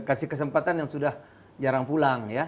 kasih kesempatan yang sudah jarang pulang ya